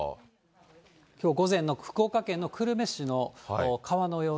きょう午前の福岡県の久留米市の川の様子。